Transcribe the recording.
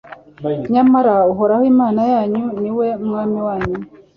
nyamara uhoraho imana yanyu, ni we mwami wanyu